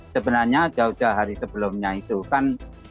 sebenarnya jauh jauh hari sebelumnya itu kan